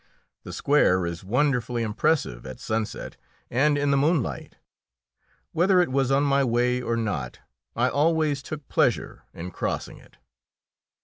The square is wonderfully impressive at sunset and in the moonlight. Whether it was on my way or not, I always took pleasure in crossing it.